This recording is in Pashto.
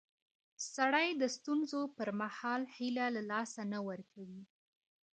سړی د ستونزو پر مهال هیله له لاسه نه ورکوي